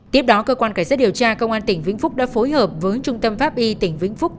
tiếp đó cơ quan cảnh sát điều tra công an tỉnh vĩnh phúc đã phối hợp với trung tâm pháp y tỉnh vĩnh phúc